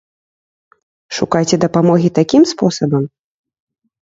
Шукайце дапамогі такім спосабам?